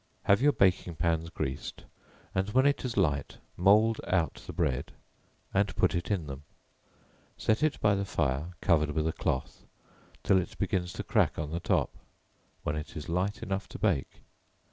Have your baking pans greased, and when it is light, mould out the bread, and put it in them; set it by the fire, covered with a cloth, till it begins to crack on the top when it is light enough to bake.